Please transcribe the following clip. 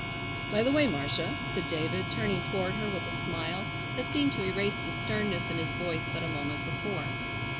"By the way, Marcia," said David, turning toward her with a smile that seemed to erase the sternness in his voice but a moment before.